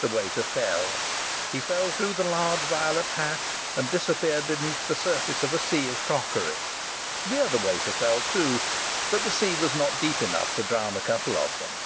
The waiter fell; he fell through the large violet hat and disappeared beneath the surface of a sea of crockery. The other waiter fell too, but the sea was not deep enough to drown a couple of them.